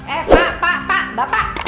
eh pak pak bapak